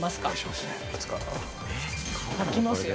いきますよ。